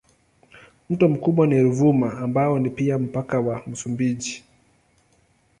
Mto mkubwa ni Ruvuma ambao ni pia mpaka wa Msumbiji.